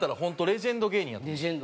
レジェンド芸人やと。